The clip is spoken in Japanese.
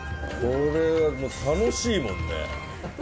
これは楽しいもんね。